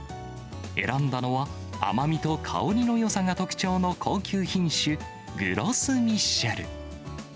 選んだのは、甘みと香りのよさが特徴の高級品種、グロスミッシェル。